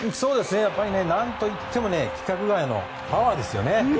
何といっても規格外のパワーですよね。